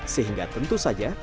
sehingga tentu saja